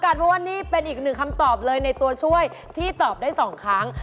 เพราะว่านี่เป็นอีกหนึ่งคำตอบเลยในตัวช่วยที่ตอบได้๒ครั้ง